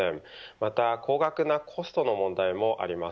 また高額なコストの問題もあります。